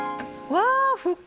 わあ。